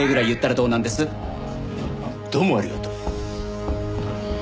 どうもありがとう。